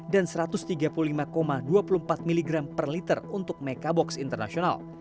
dan satu ratus tiga puluh lima dua puluh empat mg per liter untuk mekabox internasional